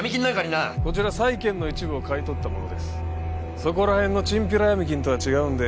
そこら辺のチンピラ闇金とは違うんで。